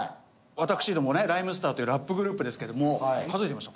私どもねＲＨＹＭＥＳＴＥＲというラップグループですけども数えてみました。